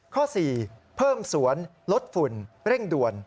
ข้อ๔เพิ่มสวนลดฝุ่นเร่งด่วน